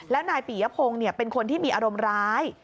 แล้วนายปียพงศ์เป็นคนที่มีอารมณ์ร้าย